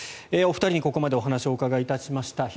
お二人にここまでお話をお伺いしました。